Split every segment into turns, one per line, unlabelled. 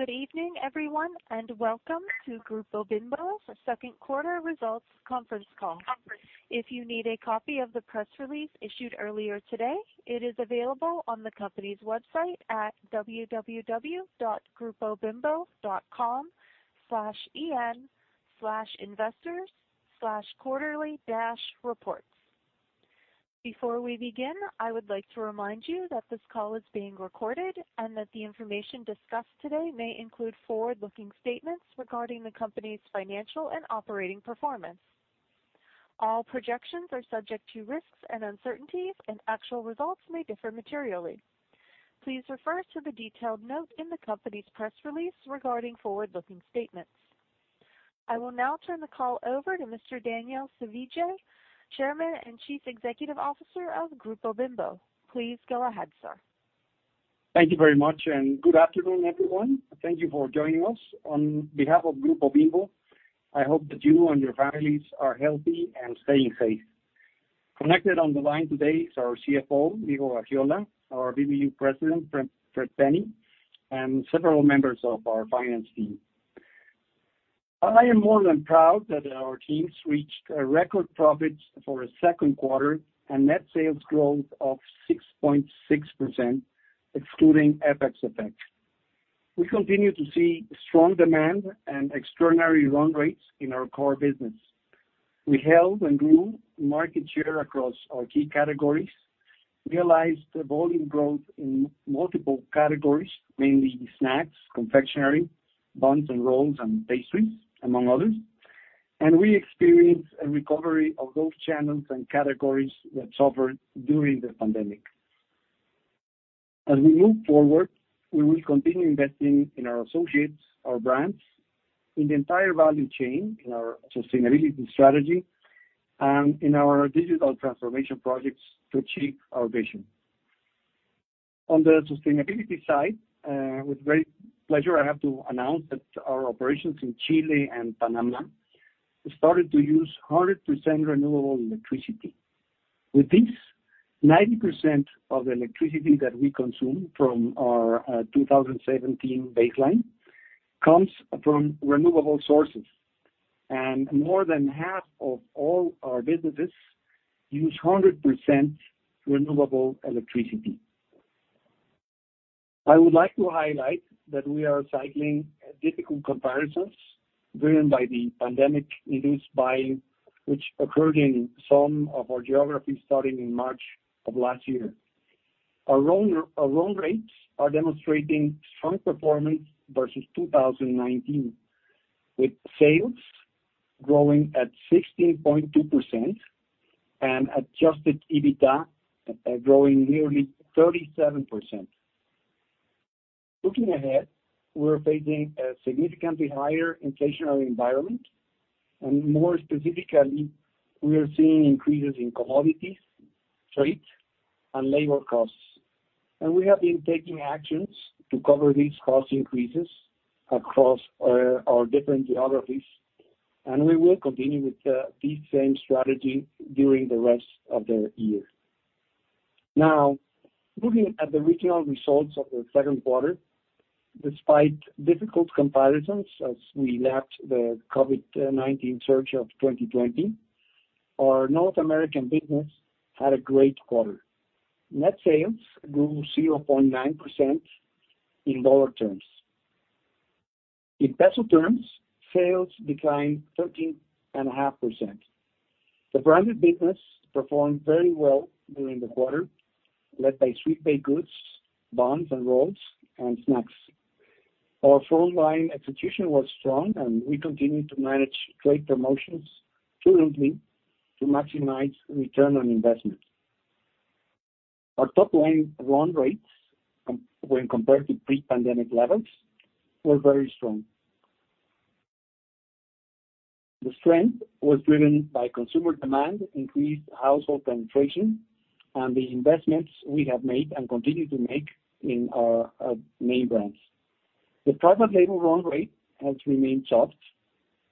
Good evening, everyone, and welcome to Grupo Bimbo's second quarter results conference call. If you need a copy of the press release issued earlier today, it is available on the company's website at www.grupobimbo.com/en/investors/quarterly-reports. Before we begin, I would like to remind you that this call is being recorded and that the information discussed today may include forward-looking statements regarding the company's financial and operating performance. All projections are subject to risks and uncertainties, and actual results may differ materially. Please refer to the detailed note in the company's press release regarding forward-looking statements. I will now turn the call over to Mr. Daniel Servitje, Chairman and Chief Executive Officer of Grupo Bimbo. Please go ahead, sir.
Thank you very much. Good afternoon, everyone. Thank you for joining us. On behalf of Grupo Bimbo, I hope that you and your families are healthy and staying safe. Connected on the line today is our CFO, Diego Gaxiola, our BBU President, Fred Penny, and several members of our finance team. I am more than proud that our teams reached record profits for a second quarter and net sales growth of 6.6%, excluding FX effects. We continue to see strong demand and extraordinary run rates in our core business. We held and grew market share across our key categories, realized volume growth in multiple categories, mainly snacks, confectionery, buns and rolls, and pastries, among others. We experienced a recovery of those channels and categories that suffered during the pandemic. As we move forward, we will continue investing in our associates, our brands, in the entire value chain, in our sustainability strategy, and in our digital transformation projects to achieve our vision. On the sustainability side, with great pleasure, I have to announce that our operations in Chile and Panama have started to use 100% renewable electricity. With this, 90% of the electricity that we consume from our 2017 baseline comes from renewable sources, and more than half of all our businesses use 100% renewable electricity. I would like to highlight that we are cycling difficult comparisons driven by the pandemic-induced buying, which occurred in some of our geographies starting in March of last year. Our run rates are demonstrating strong performance versus 2019, with sales growing at 16.2% and adjusted EBITDA growing nearly 37%. Looking ahead, we're facing a significantly higher inflationary environment and more specifically, we are seeing increases in commodities, freight, and labor costs. We have been taking actions to cover these cost increases across our different geographies, and we will continue with this same strategy during the rest of the year. Now, looking at the regional results of the second quarter, despite difficult comparisons as we lapped the COVID-19 surge of 2020, our North American business had a great quarter. Net sales grew 0.9% in dollar terms. In peso terms, sales declined 13.5%. The branded business performed very well during the quarter, led by sweet baked goods, buns and rolls, and snacks. Our frontline execution was strong, and we continue to manage trade promotions prudently to maximize return on investment. Our top-line run rates, when compared to pre-pandemic levels, were very strong. The strength was driven by consumer demand, increased household penetration, and the investments we have made and continue to make in our main brands. The private label run rate has remained soft,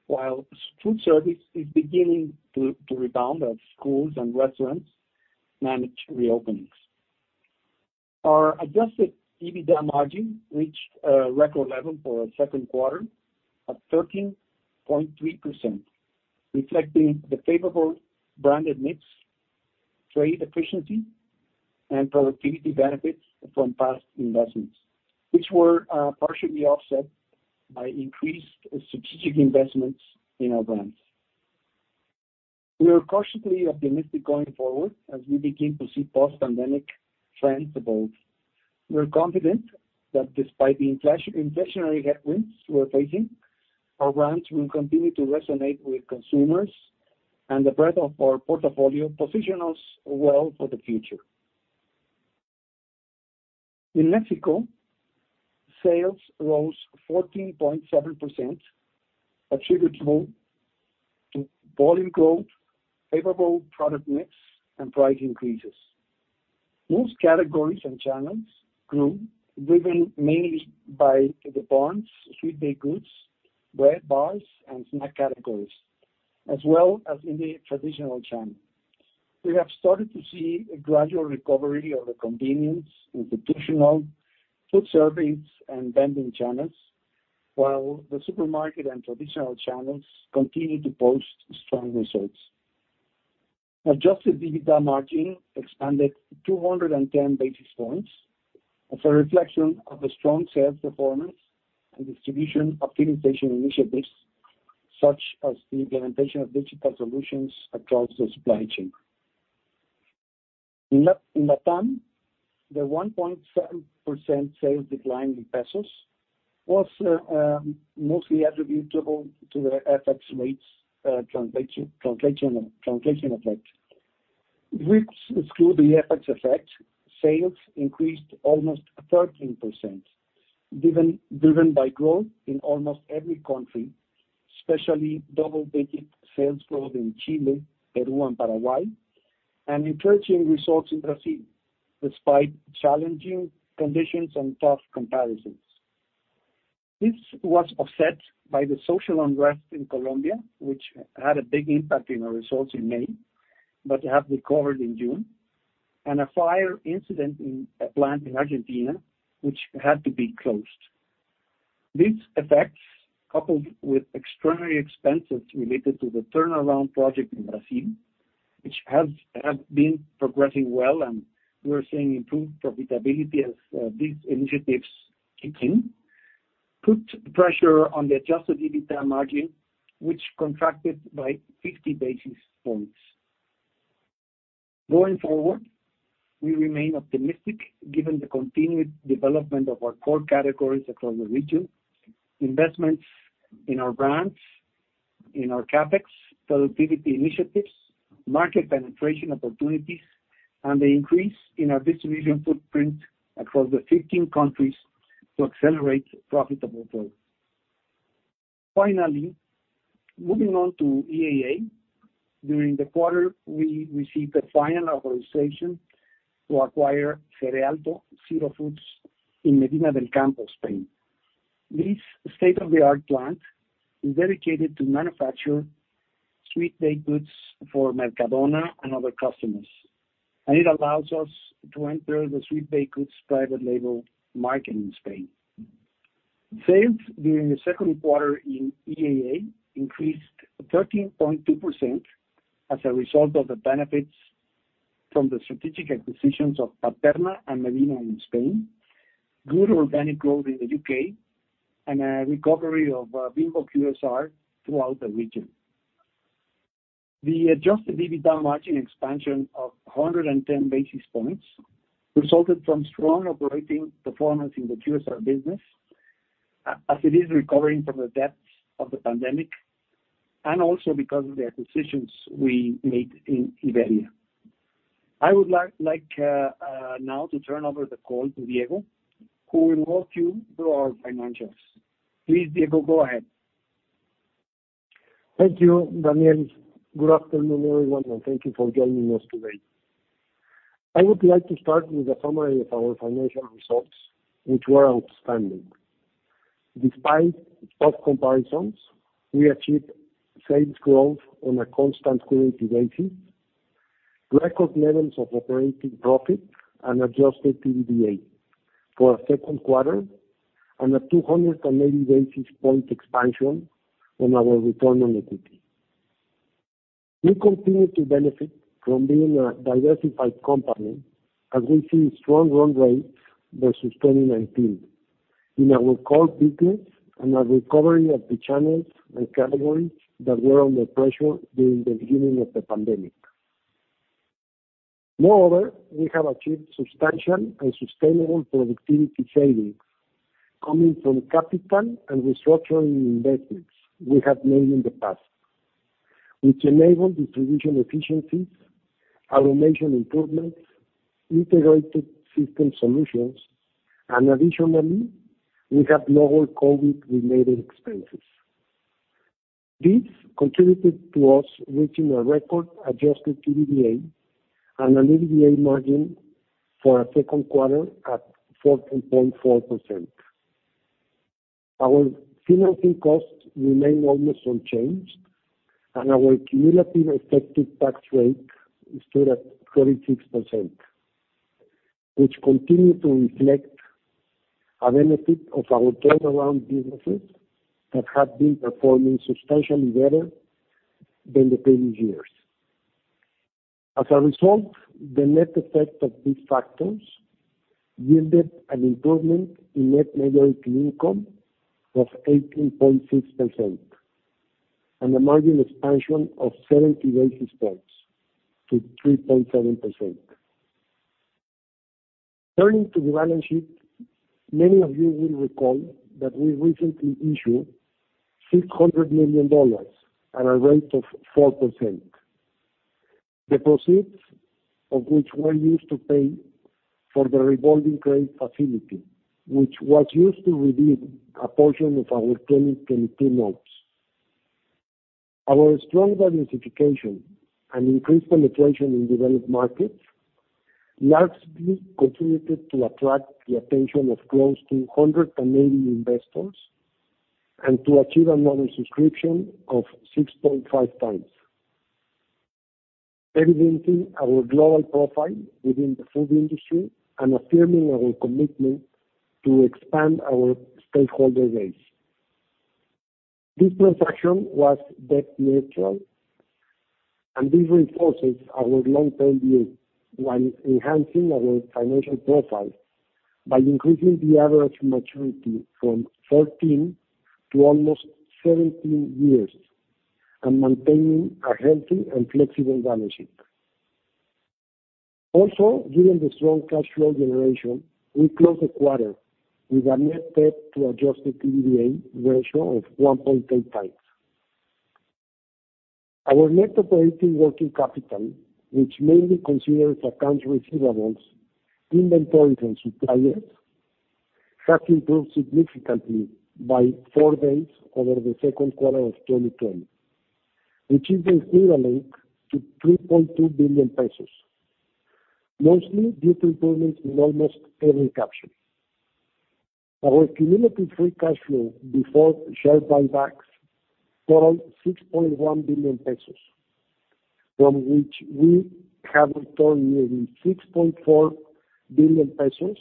while foodservice is beginning to rebound as schools and restaurants manage reopenings. Our adjusted EBITDA margin reached a record level for a Q2 of 13.3%, reflecting the favorable branded mix, trade efficiency, and productivity benefits from past investments, which were partially offset by increased strategic investments in our brands. We are cautiously optimistic going forward as we begin to see post-pandemic trends evolve. We are confident that despite the inflationary headwinds we're facing, our brands will continue to resonate with consumers, and the breadth of our portfolio positions us well for the future. In Mexico, sales rose 14.7%, attributable to volume growth, favorable product mix, and price increases. Most categories and channels grew, driven mainly by the buns, sweet baked goods, bread, bars, and snack categories, as well as in the traditional channel. We have started to see a gradual recovery of the convenience, institutional, food service, and vending channels, while the supermarket and traditional channels continue to post strong results. Adjusted EBITDA margin expanded 210 basis points as a reflection of the strong sales performance and distribution optimization initiatives, such as the implementation of digital solutions across the supply chain. In LATAM, the 1.7% sales decline in pesos was mostly attributable to the FX rates translation effect, which exclude the FX effect. Sales increased almost 13%, driven by growth in almost every country, especially double-digit sales growth in Chile, Peru, and Paraguay, and encouraging results in Brazil, despite challenging conditions and tough comparisons. This was offset by the social unrest in Colombia, which had a big impact in our results in May, but have recovered in June, and a fire incident in a plant in Argentina, which had to be closed. These effects, coupled with extraordinary expenses related to the turnaround project in Brazil, which has been progressing well and we're seeing improved profitability as these initiatives kick in, put pressure on the adjusted EBITDA margin, which contracted by 50 basis points. Going forward, we remain optimistic given the continued development of our core categories across the region, investments in our brands, in our CapEx, productivity initiatives, market penetration opportunities, and the increase in our distribution footprint across the 15 countries to accelerate profitable growth. Finally, moving on to EAA. During the quarter, we received the final authorization to acquire Cerealto Siro Foods in Medina del Campo, Spain. This state-of-the-art plant is dedicated to manufacture sweet baked goods for Mercadona and other customers, and it allows us to enter the sweet baked goods private label market in Spain. Sales during the second quarter in EAA increased 13.2% as a result of the benefits from the strategic acquisitions of Paterna and Medina in Spain, good organic growth in the U.K., and a recovery of Bimbo QSR throughout the region. The adjusted EBITDA margin expansion of 110 basis points resulted from strong operating performance in the QSR business, as it is recovering from the depths of the pandemic, and also because of the acquisitions we made in Iberia. I would like now to turn over the call to Diego, who will walk you through our financials. Please, Diego, go ahead.
Thank you, Daniel. Good afternoon, everyone, and thank you for joining us today. I would like to start with a summary of our financial results, which were outstanding. Despite tough comparisons, we achieved sales growth on a constant currency basis, record levels of operating profit and adjusted EBITDA for a second quarter, and a 280 basis-point expansion on our return on equity. We continue to benefit from being a diversified company as we see strong run rates versus 2019 in our core business and a recovery of the channels and categories that were under pressure during the beginning of the pandemic. Moreover, we have achieved substantial and sustainable productivity savings coming from capital and restructuring investments we have made in the past, which enabled distribution efficiencies, automation improvements, integrated system solutions, and additionally, we have lower COVID-related expenses. This contributed to us reaching a record adjusted EBITDA and an EBITDA margin for a Q2 at 14.4%. Our financing costs remain almost unchanged, our cumulative effective tax rate stood at 36%, which continue to reflect a benefit of our turnaround businesses that have been performing substantially better than the previous years. As a result, the net effect of these factors yielded an improvement in net majority income of 18.6% and a margin expansion of 70 basis points to 3.7%. Turning to the balance sheet, many of you will recall that we recently issued $600 million at a rate of 4%, the proceeds of which were used to pay for the revolving credit facility, which was used to redeem a portion of our 2022 notes. Our strong diversification and increased penetration in developed markets largely contributed to attract the attention of close to 180 investors. To achieve a normal subscription of 6.5x, evidencing our global profile within the food industry and affirming our commitment to expand our stakeholder base. This transaction was debt neutral. This reinforces our long-term view while enhancing our financial profile by increasing the average maturity from 14 to almost 17 years and maintaining a healthy and flexible balance sheet. Given the strong cash flow generation, we closed the quarter with a net debt-to-adjusted EBITDA ratio of 1.8x. Our net operating working capital, which mainly considers accounts receivables, inventories, and suppliers, has improved significantly by four days over the second quarter of 2020, reaching the equivalent to MXN 3.2 billion, mostly due to improvements in almost every category. Our cumulative free cash flow before share buybacks total 6.1 billion pesos, from which we have returned nearly 6.4 billion pesos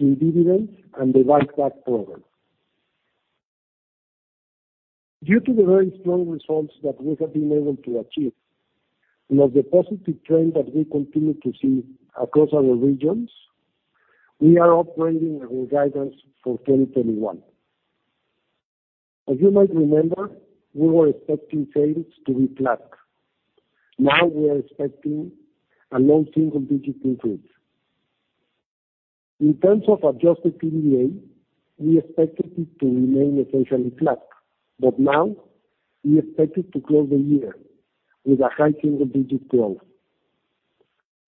in dividends and the buyback program. Due to the very strong results that we have been able to achieve and of the positive trend that we continue to see across our regions, we are upgrading our guidance for 2021. As you might remember, we were expecting sales to be flat. Now we are expecting a low single-digit increase. Now, we expect it to close the year with a high single-digit growth,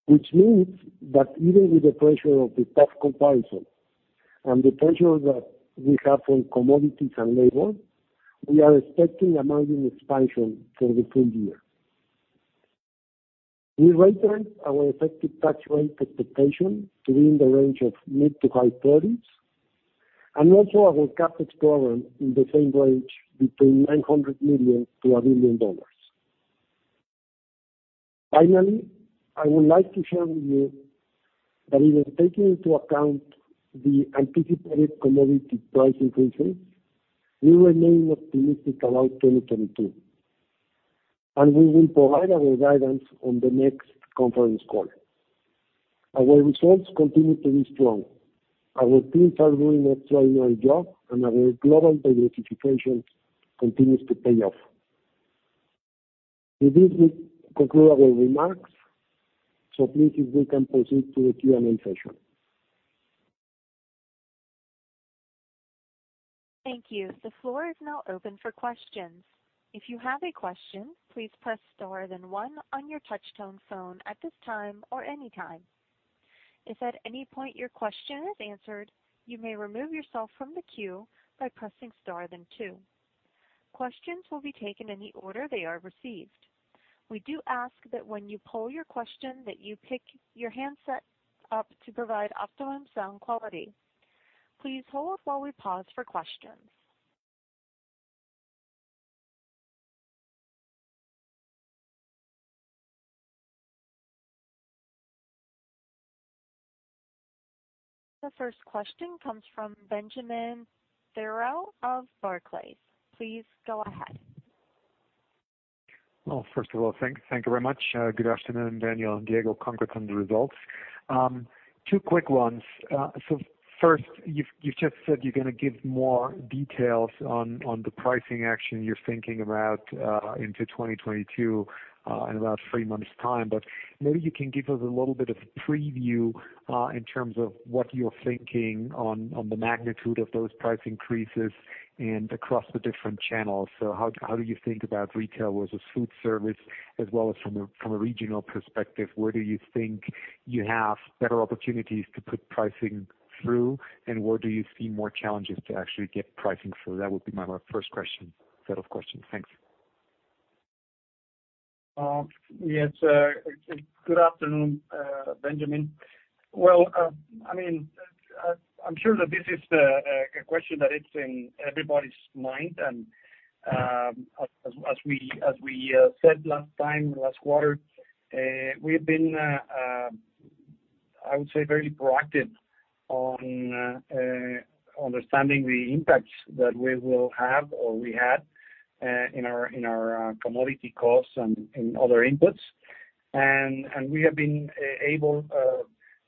which means that even with the pressure of the tough comparison and the pressure that we have on commodities and labor, we are expecting a margin expansion for the full year. We reiterate our effective tax rate expectation to be in the range of mid to high 30s, and also our CapEx program in the same range between $900 million-$1 billion. Finally, I would like to share with you that even taking into account the anticipated commodity price increases, we remain optimistic about 2022, and we will provide our guidance on the next conference call. Our results continue to be strong. Our teams are doing extraordinary job, and our global diversification continues to pay off. With this, we conclude our remarks. Please, if we can proceed to the Q&A session.
Thank you. The floor is now open for questions. If you have a question, please press star then one on your touch-tone phone at this time or any time. If at any point your question is answered, you may remove yourself from the queue by pressing star then two. Questions will be taken in the order they are received. We do ask that when you pose your question, that you pick your handset up to provide optimum sound quality. Please hold while we pause for questions. The first question comes from Benjamin Theurer of Barclays. Please go ahead.
Well, first of all, thank you very much. Good afternoon, Daniel and Diego. Congrats on the results. Two quick ones. First, you've just said you're going to give more details on the pricing action you're thinking about into 2022, in about three months' time. Maybe you can give us a little bit of a preview, in terms of what you're thinking on the magnitude of those price increases and across the different channels. How do you think about retail versus food service, as well as from a regional perspective? Where do you think you have better opportunities to put pricing through, and where do you see more challenges to actually get pricing through? That would be my first set of questions. Thanks.
Yes. Good afternoon, Benjamin. Well, I'm sure that this is a question that it's in everybody's mind, and as we said last time, last quarter, we've been, I would say, very proactive on understanding the impacts that we will have or we had in our commodity costs and in other inputs. We have been able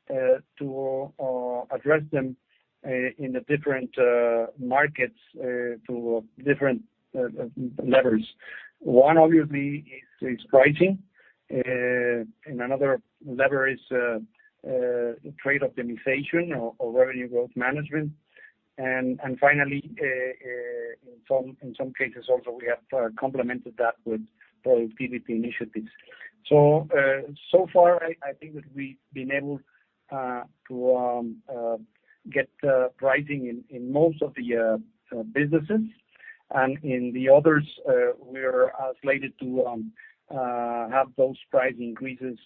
to address them in the different markets, to different levers. One obviously is pricing, and another lever is trade optimization or revenue growth management. Finally, in some cases also, we have complemented that with productivity initiatives. So far, I think that we've been able to get pricing in most of the businesses. In the others, we are slated to have those price increases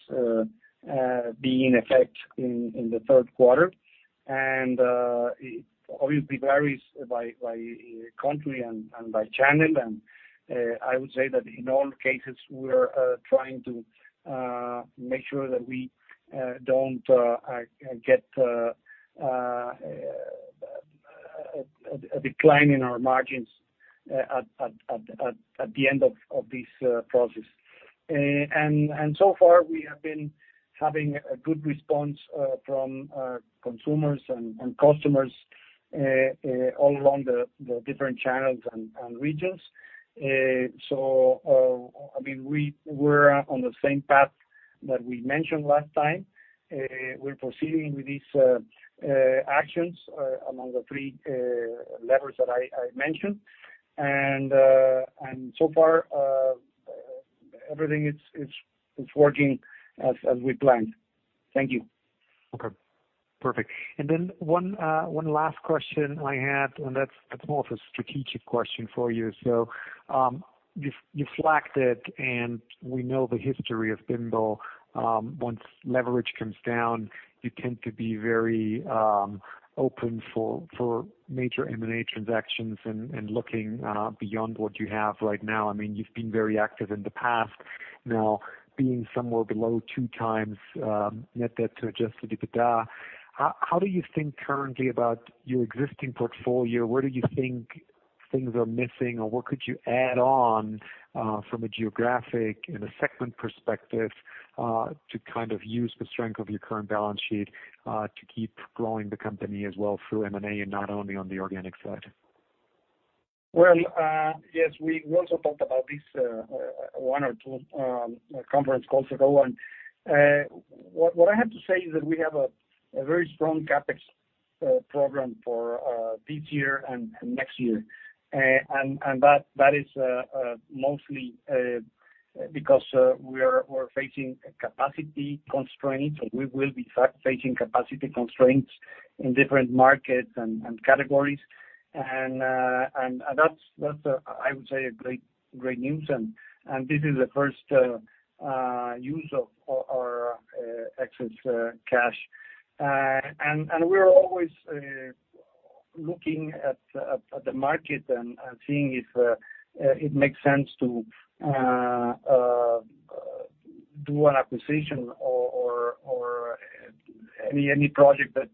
be in effect in the third quarter. It obviously varies by country and by channel. I would say that in all cases, we're trying to make sure that we don't get a decline in our margins at the end of this process. So far, we have been having a good response from our consumers and customers all along the different channels and regions. We were on the same path that we mentioned last time. We're proceeding with these actions among the three levers that I mentioned. So far, everything is working as we planned. Thank you.
Okay, perfect. One last question I had, and that's more of a strategic question for you. You flagged it, and we know the history of Bimbo. Once leverage comes down, you tend to be very open for major M&A transactions and looking beyond what you have right now. You've been very active in the past. Now being somewhere below 2x net debt to adjusted EBITDA, how do you think currently about your existing portfolio? Where do you think things are missing, or what could you add on from a geographic and a segment perspective to kind of use the strength of your current balance sheet to keep growing the company as well through M&A and not only on the organic side?
Well, yes, we also talked about this one or two conference calls ago. What I have to say is that we have a very strong CapEx program for this year and next year. That is mostly because we're facing capacity constraints, or we will be facing capacity constraints in different markets and categories. That's, I would say, a great news and this is the first use of our excess cash. We're always looking at the market and seeing if it makes sense to do an acquisition or any project that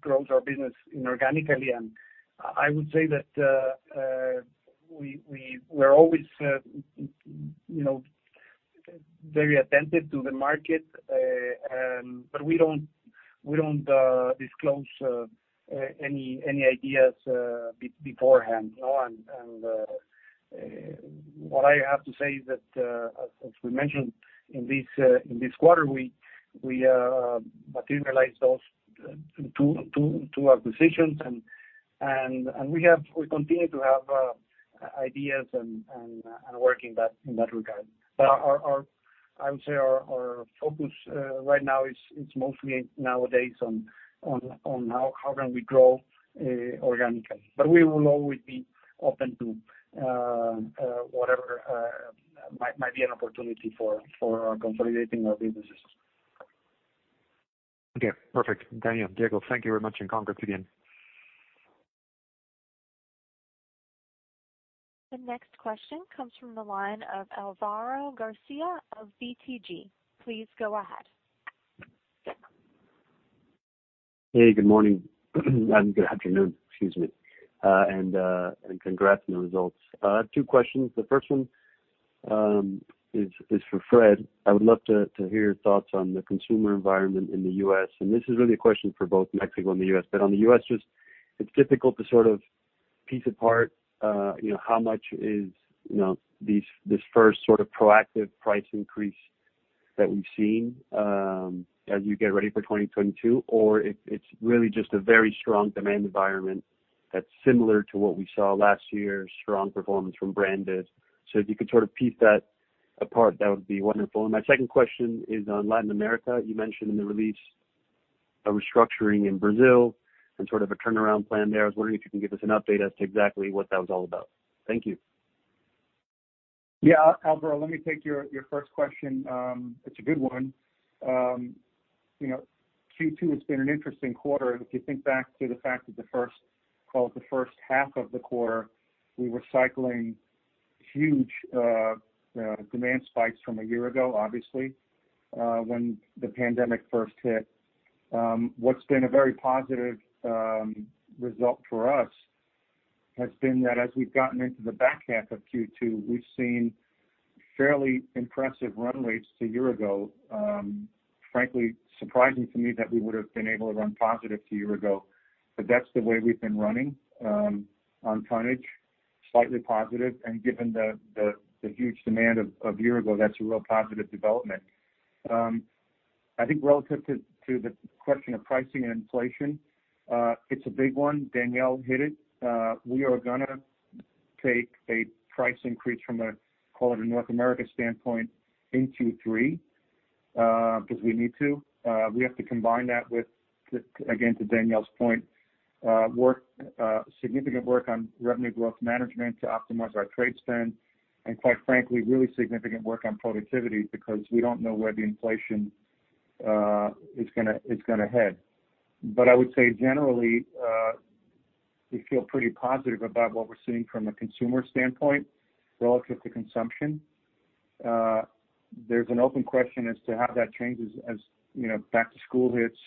grows our business inorganically. I would say that we're always very attentive to the market, but we don't disclose any ideas beforehand. What I have to say is that, as we mentioned in this quarter, we materialized those two acquisitions, and we continue to have ideas and work in that regard. I would say our focus right now is mostly nowadays on how can we grow organically. We will always be open to whatever might be an opportunity for consolidating our businesses.
Okay, perfect. Daniel, Diego, thank you very much, and congrats again.
The next question comes from the line of Álvaro García of BTG. Please go ahead.
Hey, good morning. Good afternoon, excuse me, and congrats on the results. Two questions. The first one is for Fred. I would love to hear your thoughts on the consumer environment in the U.S. This is really a question for both Mexico and the U.S. On the U.S., it's difficult to sort of piece apart how much is this first sort of proactive price increase that we've seen as you get ready for 2022, or it's really just a very strong demand environment that's similar to what we saw last year, strong performance from branded. If you could sort of piece that apart, that would be wonderful. My second question is on Latin America. You mentioned in the release a restructuring in Brazil and sort of a turnaround plan there. I was wondering if you could give us an update as to exactly what that was all about? Thank you.
Yeah, Álvaro, let me take your first question. It's a good one. Q2 has been an interesting quarter. If you think back to the fact that the first half of the quarter, we were cycling huge demand spikes from a year ago, obviously, when the pandemic first hit. What's been a very positive result for us has been that as we've gotten into the back half of Q2, we've seen fairly impressive run rates to a year ago. Frankly, surprising to me that we would have been able to run positive to a year ago, but that's the way we've been running on tonnage, slightly positive. Given the huge demand of a year ago, that's a real positive development. I think relative to the question of pricing and inflation, it's a big one. Daniel hit it. We are going to take a price increase from a, call it a North America standpoint in Q3, because we need to. We have to combine that with, again, to Daniel's point, significant work on revenue growth management to optimize our trade spend, and quite frankly, really significant work on productivity because we don't know where the inflation is going to head. I would say generally, we feel pretty positive about what we're seeing from a consumer standpoint relative to consumption. There's an open question as to how that changes as back to school hits,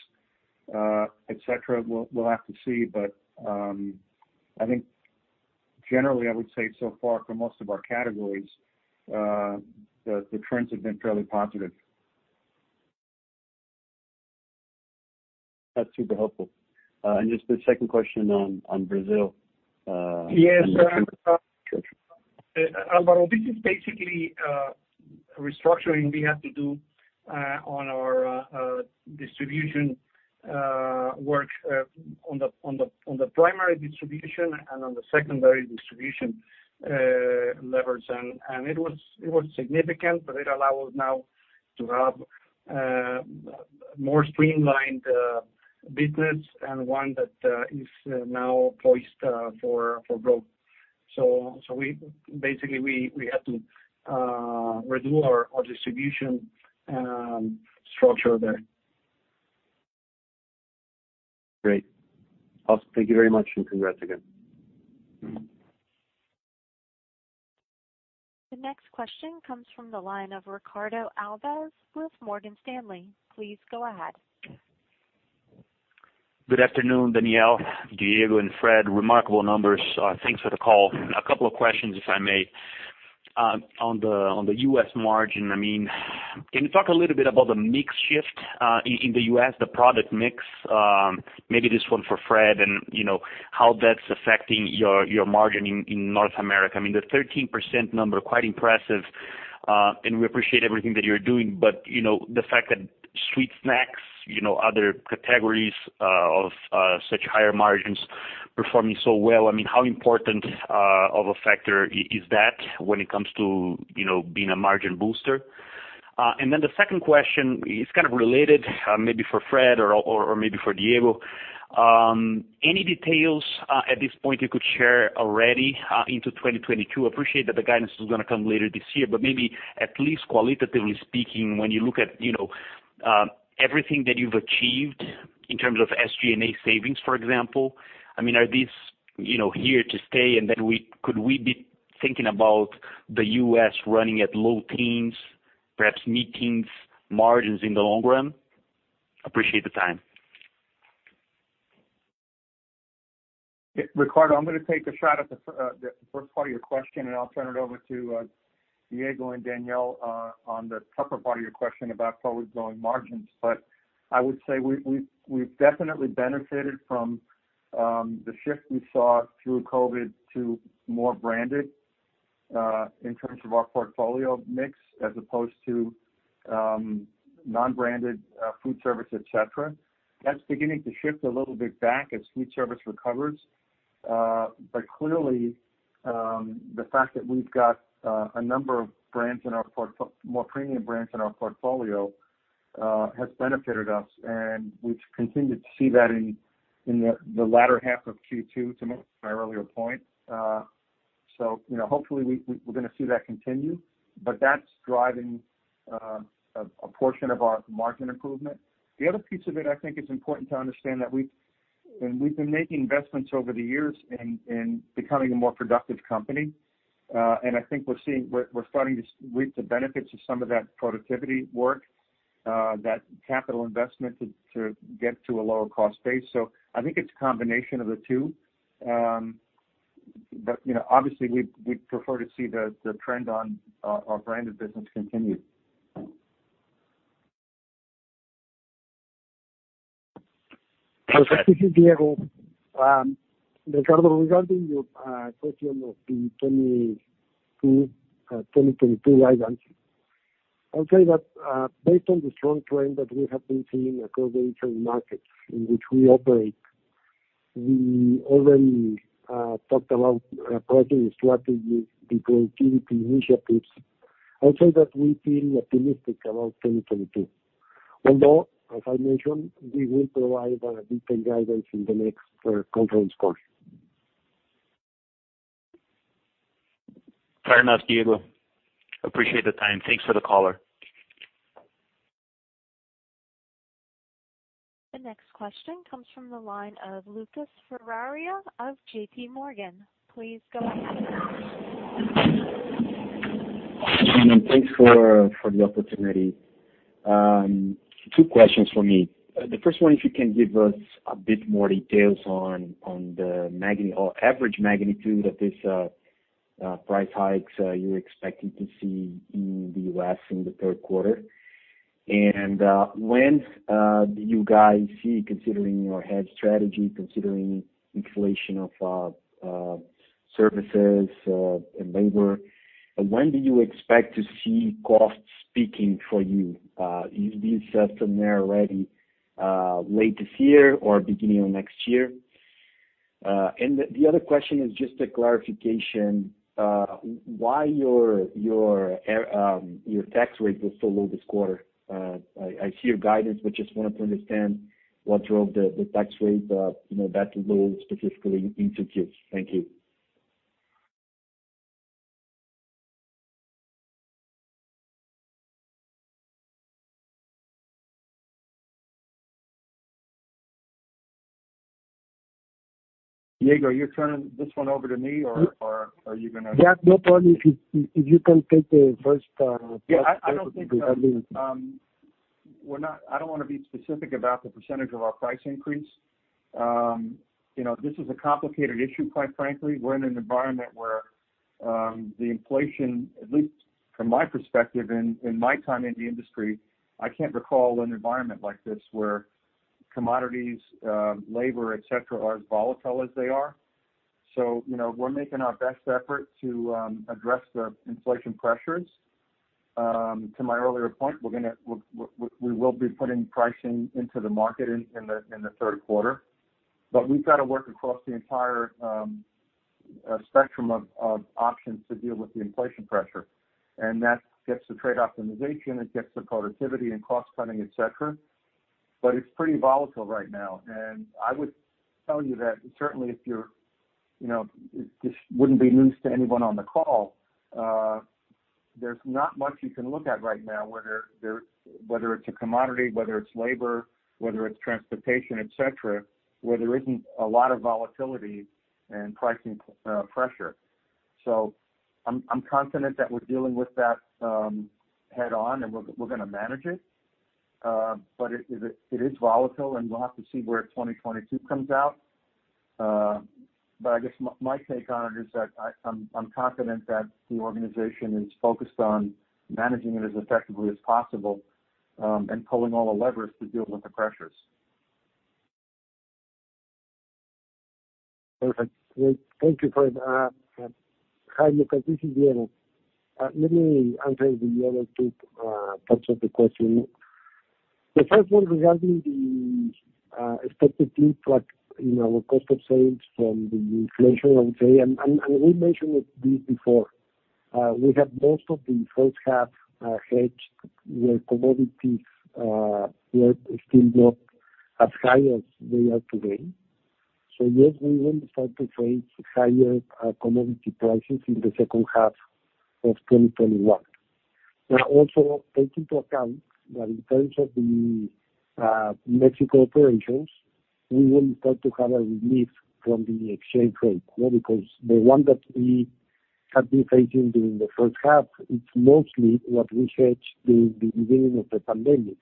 et cetera. We'll have to see. I think generally, I would say so far for most of our categories, the trends have been fairly positive.
That's super helpful. Just the second question on Brazil-
Yes. Álvaro, this is basically restructuring we have to do on our distribution work on the primary distribution and on the secondary distribution levers. It was significant, but it allows now to have a more streamlined business and one that is now poised for growth. Basically, we had to redo our distribution structure there.
Great. Awesome. Thank you very much, and congrats again.
The next question comes from the line of Ricardo Alves with Morgan Stanley. Please go ahead.
Good afternoon, Daniel, Diego, and Fred. Remarkable numbers. Thanks for the call. A couple of questions, if I may. On the U.S. margin, can you talk a little bit about the mix shift in the U.S., the product mix? Maybe this one for Fred, how that's affecting your margin in North America. I mean, the 13% number, quite impressive. We appreciate everything that you're doing. The fact that sweet snacks, other categories of such higher margins performing so well, how important of a factor is that when it comes to being a margin booster? The second question is kind of related, maybe for Fred or maybe for Diego. Any details at this point you could share already into 2022? Appreciate that the guidance is gonna come later this year. Maybe at least qualitatively speaking, when you look at everything that you've achieved in terms of SG&A savings, for example. Are these here to stay? Then could we be thinking about the U.S. running at low teens, perhaps mid-teens margins in the long run? Appreciate the time.
Ricardo, I'm going to take a shot at the first part of your question, and I'll turn it over to Diego and Daniel on the tougher part of your question about forward-going margins. I would say we've definitely benefited from the shift we saw through COVID to more branded in terms of our portfolio mix as opposed to non-branded food service, et cetera. That's beginning to shift a little bit back as food service recovers. Clearly, the fact that we've got a number of more premium brands in our portfolio has benefited us, and we've continued to see that in the latter half of Q2, to my earlier point. Hopefully we're going to see that continue. That's driving a portion of our margin improvement. The other piece of it, I think it's important to understand that we've been making investments over the years in becoming a more productive company. I think we're starting to reap the benefits of some of that productivity work, that capital investment to get to a lower cost base. I think it's a combination of the two. Obviously, we'd prefer to see the trend on our branded business continue.
This is Diego. Ricardo, regarding your question of the 2022 guidance, I'll say that based on the strong trend that we have been seeing across the different markets in which we operate, we already talked about approaching the strategy, the productivity initiatives. I'd say that we feel optimistic about 2022. Although, as I mentioned, we will provide a detailed guidance in the next conference call.
Fair enough, Diego. Appreciate the time. Thanks for the color.
The next question comes from the line of Lucas Ferreira of JPMorgan. Please go ahead.
Thanks for the opportunity. Two questions from me. The first one, if you can give us a bit more details on the average magnitude of these price hikes you're expecting to see in the U.S. in the third quarter. When do you guys see, considering your hedge strategy, considering inflation of services and labor, when do you expect to see costs peaking for you? Is this somewhere already late this year or beginning of next year? The other question is just a clarification, why your tax rate was so low this quarter? I see your guidance, but just wanted to understand what drove the tax rate that low specifically in 2Q. Thank you.
Diego, are you turning this one over to me or are you going?
Yeah, no problem. If you can take the first part.
Yeah, I don't want to be specific about the percentage of our price increase. This is a complicated issue, quite frankly. We're in an environment where the inflation, at least from my perspective in my time in the industry, I can't recall an environment like this where commodities, labor, et cetera, are as volatile as they are. We're making our best effort to address the inflation pressures. To my earlier point, we will be putting pricing into the market in the third quarter. We've got to work across the entire spectrum of options to deal with the inflation pressure. That gets to trade optimization, it gets to productivity and cost cutting, et cetera, but it's pretty volatile right now. I would tell you that certainly this wouldn't be news to anyone on the call. There's not much you can look at right now, whether it's a commodity, whether it's labor, whether it's transportation, et cetera, where there isn't a lot of volatility and pricing pressure. I'm confident that we're dealing with that head on, and we're going to manage it. It is volatile, and we'll have to see where 2022 comes out. I guess my take on it is that I'm confident that the organization is focused on managing it as effectively as possible, and pulling all the levers to deal with the pressures.
Perfect. Great. Thank you for that. Hi, this is Diego. Let me [answer the other two parts] of the question. The first one regarding the expected increase in our cost of sales from the inflation, I would say, and we mentioned this before. We have most of the first half hedged where commodities were still not as high as they are today. Yes, we will start to face higher commodity prices in the second half of 2021. Now also take into account that in terms of the Mexico operations, we will start to have a relief from the exchange rate, because the one that we have been facing during the first half, it's mostly what we hedged during the beginning of the pandemic.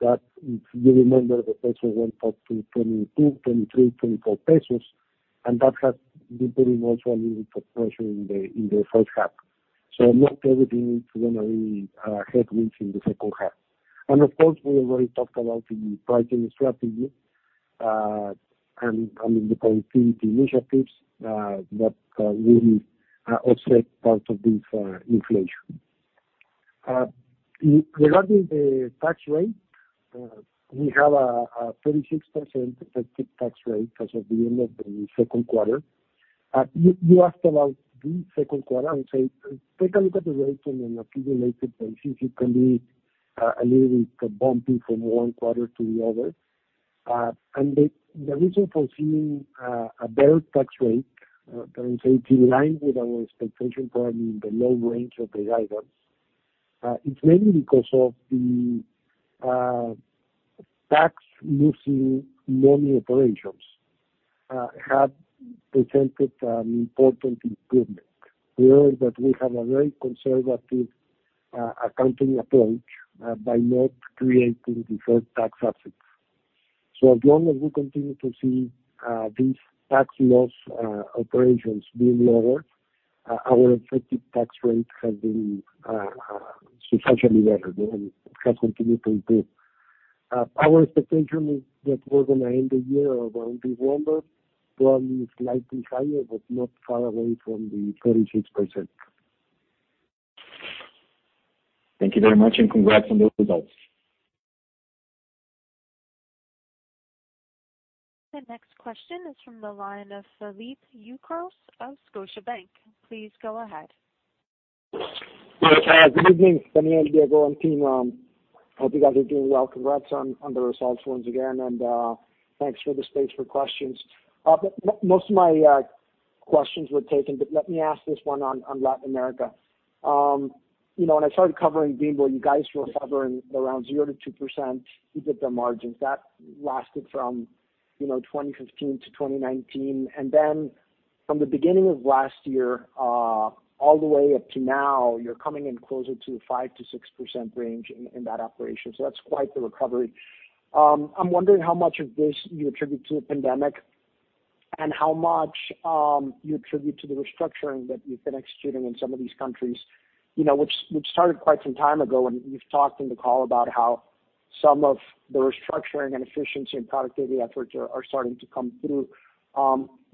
That if you remember, the peso went up to 22, 23, 24 pesos, that has been putting also a little pressure in the first half. Not everything is going to be a headwind in the second half. Of course, we already talked about the pricing strategy, and the productivity initiatives that will offset part of this inflation. Regarding the tax rate, we have a 36% effective tax rate as of the end of the second quarter. You asked about the second quarter. I would say, take a look at the rate on an accumulated basis. It can be a little bit bumpy from one quarter to the other. The reason for seeing a better tax rate, that is to say it's in line with our expectation, probably in the low range of the guidance. It's mainly because of the tax-losing money operations have presented an important improvement. You know that we have a very conservative accounting approach by not creating deferred tax assets. As long as we continue to see these tax-loss operations being lower, our effective tax rate has been substantially better and has continued to improve. Our expectation is that we're going to end the year around this number, probably slightly higher, but not far away from the 36%.
Thank you very much, and congrats on the results.
The next question is from the line of Felipe Ucros of Scotiabank. Please go ahead.
Good evening, Daniel, Diego, and team. Hope you guys are doing well. Congrats on the results once again, and thanks for the space for questions. Most of my questions were taken. Let me ask this one on Latin America. When I started covering Bimbo, you guys were hovering around 0%-2% EBITDA margins. That lasted from 2015-2019. From the beginning of last year all the way up to now, you're coming in closer to the 5%-6% range in that operation. That's quite the recovery. I'm wondering how much of this you attribute to the pandemic and how much you attribute to the restructuring that you've been executing in some of these countries, which started quite some time ago, and you've talked in the call about how some of the restructuring and efficiency and productivity efforts are starting to come through.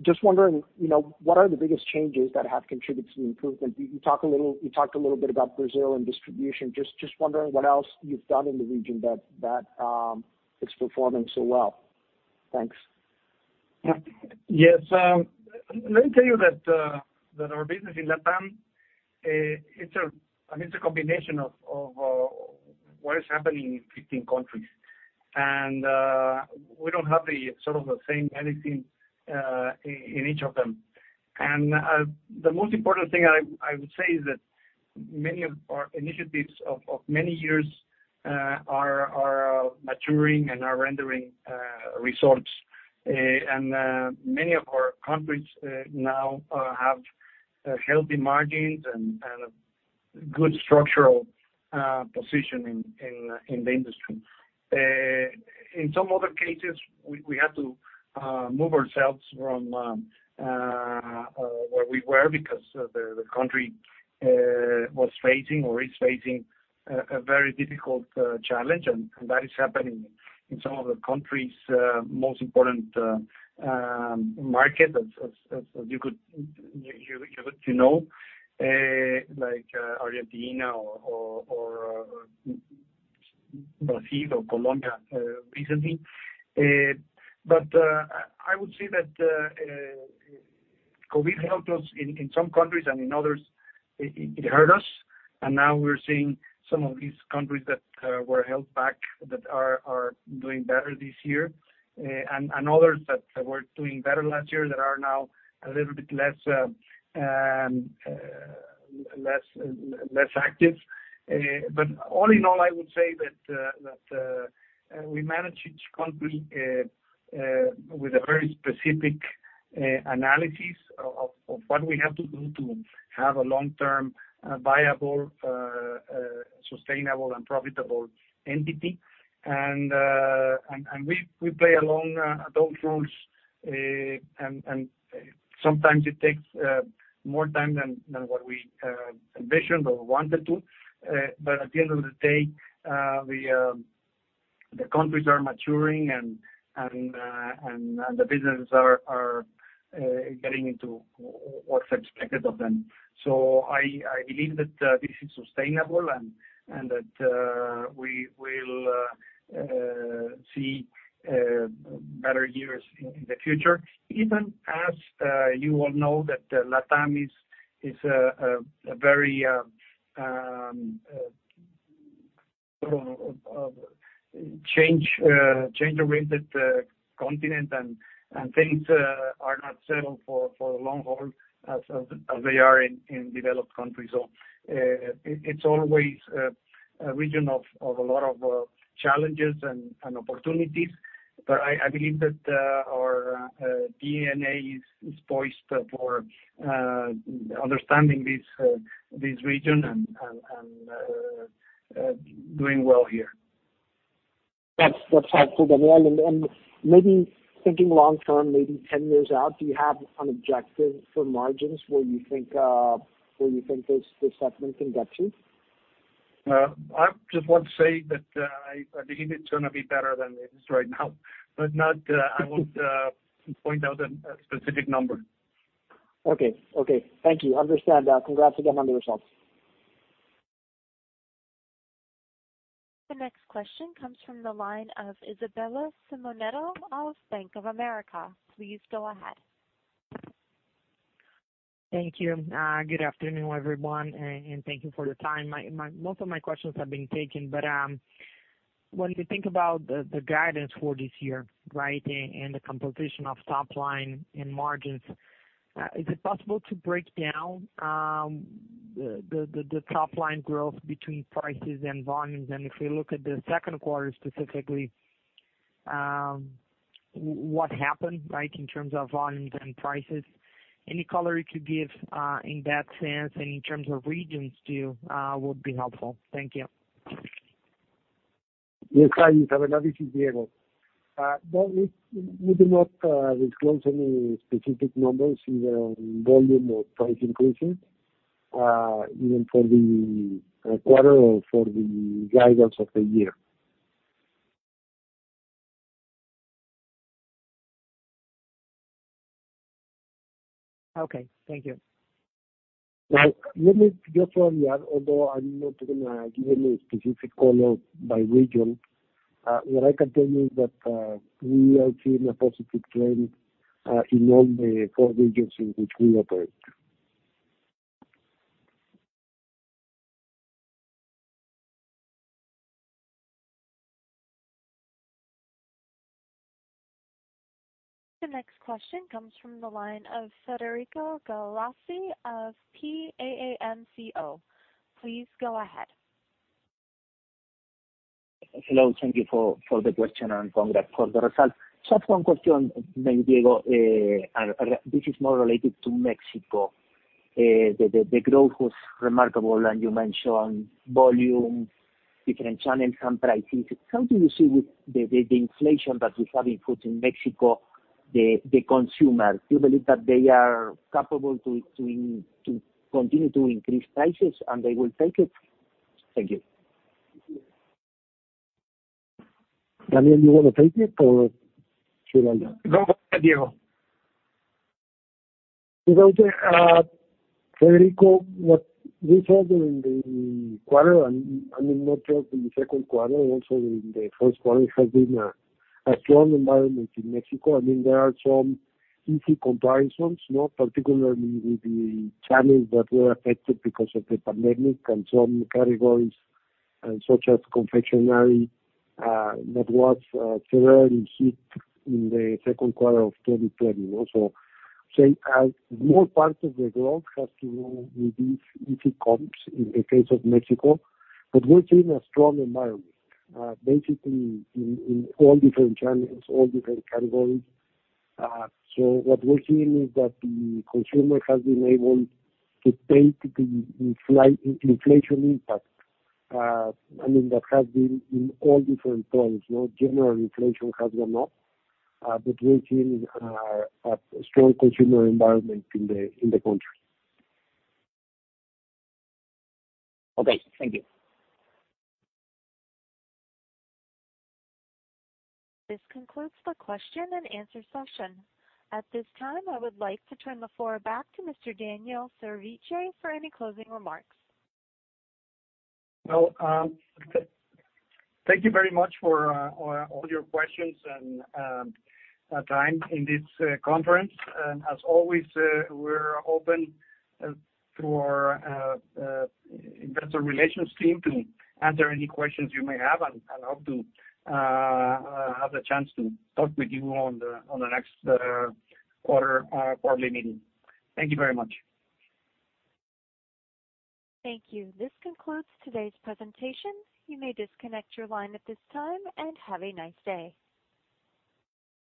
Just wondering, what are the biggest changes that have contributed to the improvement? You talked a little bit about Brazil and distribution. Just wondering what else you've done in the region that is performing so well. Thanks.
Yes. Let me tell you that our business in LATAM, it's a combination of what is happening in 15 countries, and we don't have the same anything in each of them. The most important thing I would say is that many of our initiatives of many years are maturing and are rendering results. Many of our countries now have healthy margins and a good structural position in the industry. In some other cases, we have to move ourselves from where we were because the country was facing or is facing a very difficult challenge, and that is happening in some of the country's most important market, as you know, like Argentina or Brazil, Colombia recently. I would say that COVID helped us in some countries, and in others, it hurt us, and now we're seeing some of these countries that were held back that are doing better this year, and others that were doing better last year that are now a little bit less active. All in all, I would say that we manage each country with a very specific analysis of what we have to do to have a long-term, viable, sustainable, and profitable entity. We play along those rules, and sometimes it takes more time than what we envisioned or wanted to. At the end of the day, the countries are maturing and the businesses are getting into what's expected of them. I believe that this is sustainable and that we will see better years in the future. Even as you all know that LATAM is a very change-oriented continent and things are not settled for the long haul as they are in developed countries. It's always a region of a lot of challenges and opportunities. I believe that our DNA is poised for understanding this region and doing well here.
That's helpful, Daniel. Maybe thinking long-term, maybe 10 years out, do you have an objective for margins where you think this segment can get to?
I just want to say that I believe it's going to be better than it is right now, but I won't point out a specific number.
Okay. Thank you. Understand. Congrats again on the results.
The next question comes from the line of Isabella Simonato of Bank of America. Please go ahead.
Thank you. Good afternoon, everyone, and thank you for the time. Most of my questions have been taken, but when you think about the guidance for this year, right, and the composition of top line and margins, is it possible to break down the top-line growth between prices and volumes? If we look at the second quarter specifically, what happened, right, in terms of volumes and prices? Any color you could give in that sense and in terms of regions, too, would be helpful. Thank you.
Yes. Hi, Isabella, this is Diego. We do not disclose any specific numbers either on volume or price increases, even for the quarter or for the guidance of the year.
Okay. Thank you.
Let me just add, although I'm not going to give any specific color by region, what I can tell you is that we are seeing a positive trend in all the four regions in which we operate.
The next question comes from the line of Federico Galassi of PAAMCO. Please go ahead.
Hello. Thank you for the question and congrats for the result. Just one question, maybe, Diego. This is more related to Mexico. The growth was remarkable, and you mentioned volume, different channels, and pricing. How do you see with the inflation that we have input in Mexico, the consumer? Do you believe that they are capable to continue to increase prices, and they will take it? Thank you.
Daniel, do you want to take it, or should I?
Go, Diego.
Federico, what we saw during the quarter, and I mean, not just in the second quarter, also in the first quarter, it has been a strong environment in Mexico. There are some easy comparisons, particularly with the channels that were affected because of the pandemic and some categories such as confectionery that was severely hit in the second quarter of 2020. Say, as more parts of the growth has to do with these easy comps in the case of Mexico. We're seeing a strong environment, basically in all different channels, all different categories. What we're seeing is that the consumer has been able to take the slight inflation impact. That has been in all different points. General inflation has gone up, but we're seeing a strong consumer environment in the country.
Okay. Thank you.
This concludes the question-and-answer session. At this time, I would like to turn the floor back to Mr. Daniel Servitje for any closing remarks.
Well, thank you very much for all your questions and time in this conference. As always, we're open through our investor relations team to answer any questions you may have, and I hope to have the chance to talk with you on the next quarterly meeting. Thank you very much.
Thank you. This concludes today's presentation. You may disconnect your line at this time, and have a nice day.